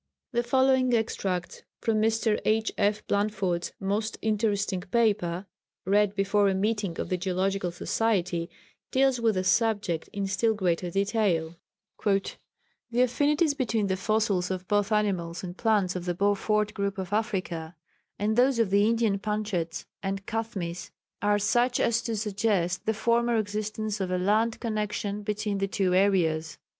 The following extracts from Mr. H. F. Blandford's most interesting paper read before a meeting of the Geological Society deals with the subject in still greater detail: "The affinities between the fossils of both animals and plants of the Beaufort group of Africa and those of the Indian Panchets and Kathmis are such as to suggest the former existence of a land connexion between the two areas.